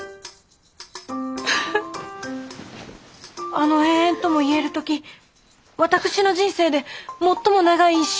あの永遠ともいえる時私の人生で最も長い一瞬。